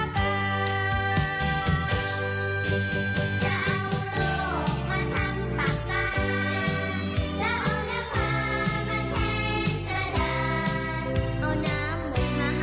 จะเอาโลกมาทำปากกาแล้วเอาณภามาแทนกระดาษเอาน้ำหมดมหาสมิทแทนหรือว่าประกา